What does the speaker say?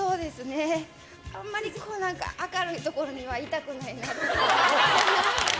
あんまり明るいところにはいたくないなって。